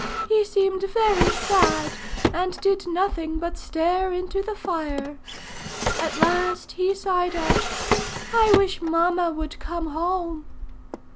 He seemed very sad, and did nothing but stare into the fire. At last he sighed out, 'I wish mamma would come home.'